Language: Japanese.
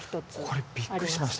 これびっくりしました。